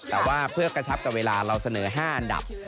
แต่ว่าเพื่อกระชับกับเวลาเราเสนอ๕อันดับ